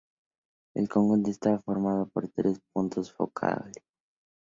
El conjunto está formado por tres puntos focales.